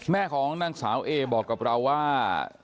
แม่ของนางสาวเอบอกกับเราว่า